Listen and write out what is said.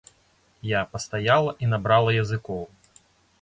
Я пастаяла і набрала языкоў.